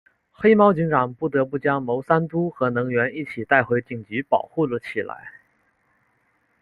黑猫警长不得不将牟三嘟和能源一起带回警局保护了起来。